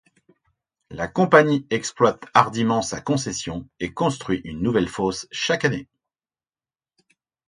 La Compagnie exploite hardiment sa concession, et construit une nouvelle fosse chaque année.